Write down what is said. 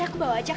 aduh ya ampun